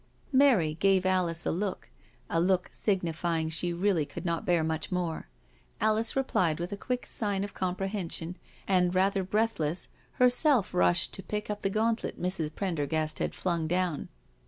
Mary gave Alice a look— a look signifying she really could not bear much more. Alice replied with a quick sign of comprehension and, rather breathless, herself rushed to pick up the gauntlet Mrs. Prendergast had flung down.